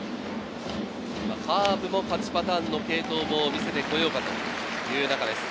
カープも勝ちパターンの継投を見せてこようかという中です。